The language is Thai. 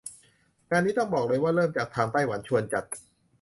งานนี้ต้องบอกเลยว่าเริ่มจากทางไต้หวันชวนจัด